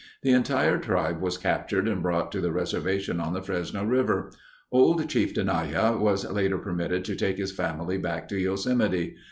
The entire tribe was captured and brought to the reservation on the Fresno River. Old Chief Tenaya was later permitted to take his family back to Yosemite.